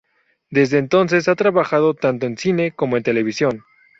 Desde entonces ha trabajado tanto en cine como en televisión.